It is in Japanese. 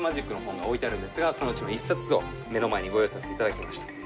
トランプマジックの本が置いてあるんですがそのうちの１冊を目の前にご用意させて頂きました。